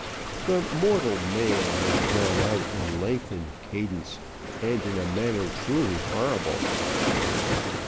The mortal man was drawn out in lengthened cadence, and in a manner truly horrible.